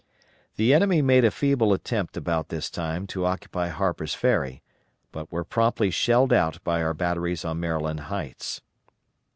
The enemy made a feeble attempt about this time to occupy Harper's Ferry, but were promptly shelled out by our batteries on Maryland Heights.